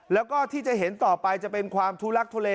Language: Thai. แล้วก็ที่จะเห็นต่อไปจะเป็นความทุลักทุเล